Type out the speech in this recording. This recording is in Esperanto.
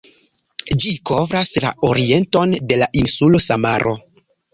Ĝi kovras la orienton de la insulo Samaro.